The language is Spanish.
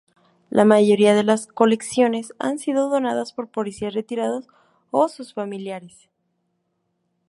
La mayoría de las colecciones han sido donadas por policías retirados o sus familiares.